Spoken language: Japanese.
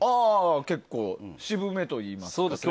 結構渋めといいますか。